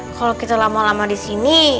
kalau kita lama lama disini